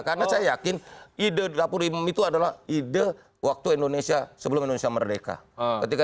karena saya yakin ide dapur umum itu adalah ide waktu indonesia sebelum indonesia merdeka